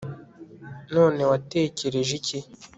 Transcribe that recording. none watekereje iki